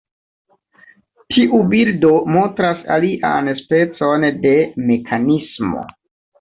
Tiu bildo montras alian specon de mekanismo.